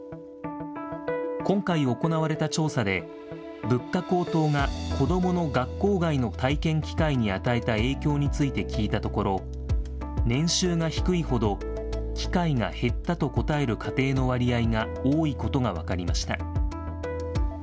今回行われた調査で、物価高騰が子どもの学校外の体験機会に与えた影響について聞いたところ、年収が低いほど、機会が減ったと答える家庭の割合が多いことが分かりました。